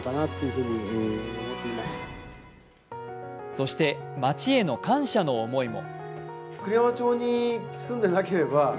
そして町への感謝の思いも。